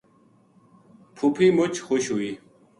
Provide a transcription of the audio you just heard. پھوپھی مچ خوش ہوئی